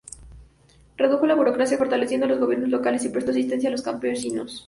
Redujo la burocracia, fortaleciendo los gobiernos locales y prestó asistencia a los campesinos.